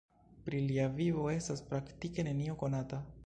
Pri lia vivo estas praktike nenio konata.